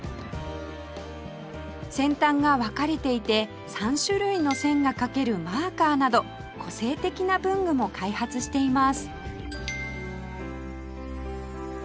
先端が分かれていて３種類の線が書けるマーカーなど個性的な文具も開発しています